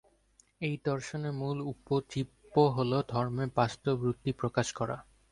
এই দর্শনের মূল উপজীব্য হল ধর্মের বাস্তব রূপটি প্রকাশ করা।